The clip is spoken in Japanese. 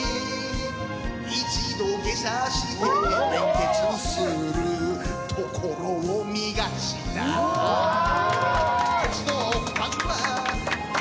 「一度下車して連結するところを見がちだぁ」